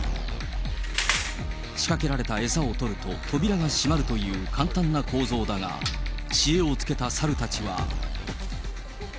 仕掛けられた餌を取ると扉が閉まるという簡単な構造だが、知恵をつけたサルたちは。